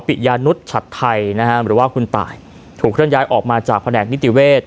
ยานุษย์ชัดไทยนะฮะหรือว่าคุณตายถูกเคลื่อนย้ายออกมาจากแผนกนิติเวศ